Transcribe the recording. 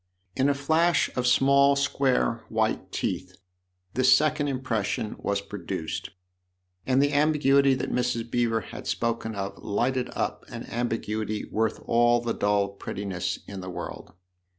12 THE OTHER HOUSE In a flash of small square white teeth this second impression was produced and the ambiguity that Mrs. Beever had spoken of lighted up an ambiguity worth all the dull prettiness in the world.